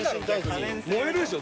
燃えるでしょ